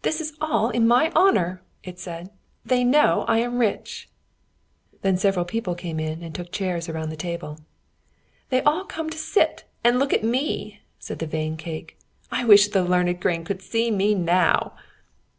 "This is all in my honour," it said. "They know I am rich." Then several people came in and took chairs around the table. "They all come to sit and look at me," said the vain cake. "I wish the learned grain could see me now."